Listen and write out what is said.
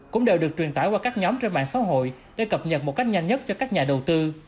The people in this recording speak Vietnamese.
cũng đều được truyền tải qua các nhóm trên mạng xã hội để cập nhật một cách nhanh nhất cho các nhà đầu tư